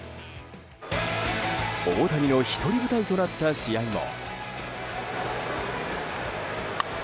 大谷の１人舞台となった試合も。